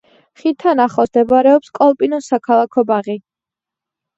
ხიდთან ახლოს მდებარეობს კოლპინოს საქალაქო ბაღი.